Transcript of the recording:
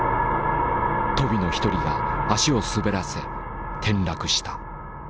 鳶の一人が足を滑らせ転落した。